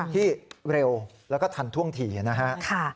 ที่เร็วแล้วก็ทันท่วงทีนะฮะ